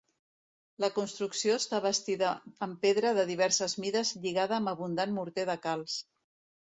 La construcció està bastida en pedra de diverses mides lligada amb abundant morter de calç.